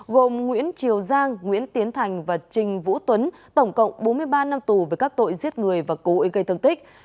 gồm nguyễn triều giang nguyễn tiến thành và trình vũ tuấn tổng cộng bốn mươi ba năm tù về các tội giết người và cố ý gây thương tích